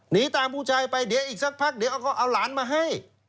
หนีตามผู้ชายไปเดี๋ยวอีกสักพักเดี๋ยวเขาก็เอาหลานมาให้